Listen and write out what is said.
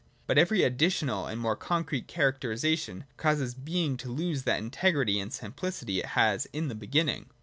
But every additional and more concrete characterisation causes Being to lose that integrity and simplicity it has in the beginning.